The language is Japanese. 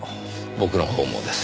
僕のほうもです。